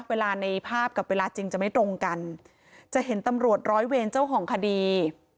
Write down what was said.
เวลาในภาพกับเวลาจริงจะไม่ตรงกันจะเห็นตำรวจร้อยเวรเจ้าของคดี